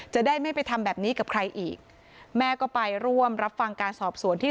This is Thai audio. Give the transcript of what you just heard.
จะได้ไม่ไปทำแบบนี้กับใครอีกแม่ก็ไปร่วมรับฟังการสอบสวนที่